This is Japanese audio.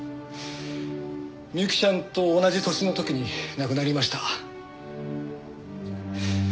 美雪ちゃんと同じ年の時に亡くなりました。